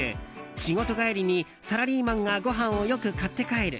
仕事帰りにサラリーマンがご飯をよく買って帰る。